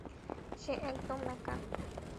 সে একদম একা।